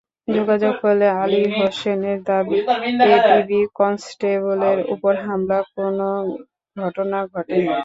যোগাযোগ করলে আলী হোসেনের দাবি, এপিবি কনস্টেবলের ওপর হামলার কোনো ঘটনা ঘটেনি।